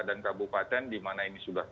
dan kabupaten dimana ini sudah